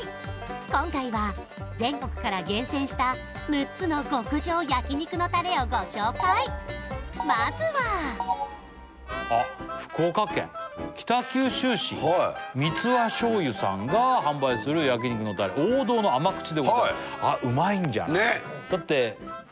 今回は全国から厳選した６つの極上焼肉のタレをご紹介まずはミツワ醤油さんが販売する焼肉のタレ王道の甘口でございますあっうまいんじゃない？